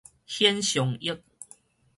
顯像液